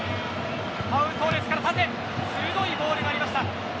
パウ・トーレスから縦鋭いボールがありました。